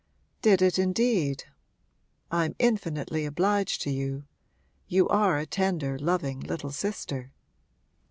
'Did it indeed? I'm infinitely obliged to you! You are a tender, loving little sister.'